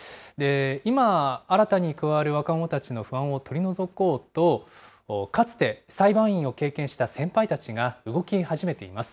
今、新たに加わる若者たちの不安を取り除こうと、かつて裁判員を経験した先輩たちが動き始めています。